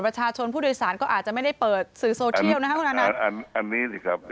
ประชาชนผู้โดยสารก็อาจจะไม่ได้เปิดสื่อโซเชียลนะคะคุณอันนั้นอันนี้สิครับ